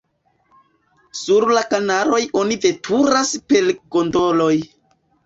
Sur la kanaloj oni veturas per gondoloj.